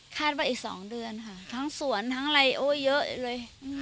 คาดว่าอีกสองเดือนค่ะทั้งสวนทั้งอะไรเยอะเลย